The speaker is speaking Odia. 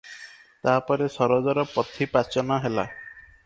ତା ପରେ ସରୋଜର ପଥି ପାଚନ ହେଲା ।